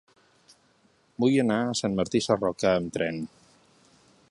Vull anar a Sant Martí Sarroca amb tren.